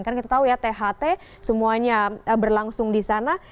karena kita tahu ya tht semuanya berlangsung di sana